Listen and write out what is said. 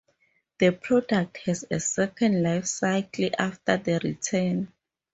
The product has a second life cycle after the return.